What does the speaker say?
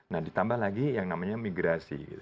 nah ditambah lagi yang namanya migrasi